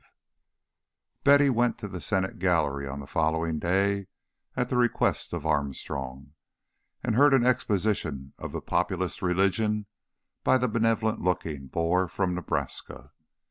V Betty went to the Senate Gallery on the following day at the request of Armstrong, and heard an exposition of the Populist religion by the benevolent looking bore from Nebraska.